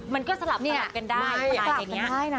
มันก็สลับกันได้มันสลับกันได้นะ